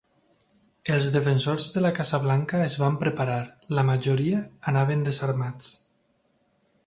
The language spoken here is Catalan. Els defensors de la Casa Blanca es van preparar, la majoria anaven desarmats.